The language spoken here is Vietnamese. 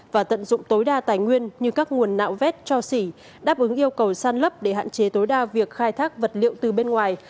và tận dụng tối đa tài nguyên như các nguồn nạo vét cho xỉ đáp ứng yêu cầu san lấp để hạn chế tối đa việc khai thác vật liệu từ bên ngoài